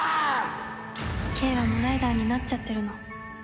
景和もライダーになっちゃってるの